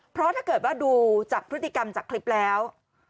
เพราะถ้าเกิดว่าดูจากพฤติกรรมจากคลิปแล้ว